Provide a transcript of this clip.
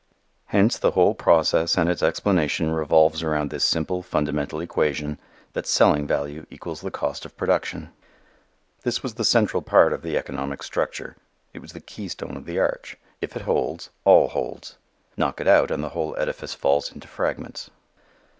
Hence the whole process and its explanation revolves around this simple fundamental equation that selling value equals the cost of production. This was the central part of the economic structure. It was the keystone of the arch. If it holds, all holds. Knock it out and the whole edifice falls into fragments.